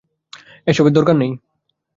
এসবের দরকার নেই।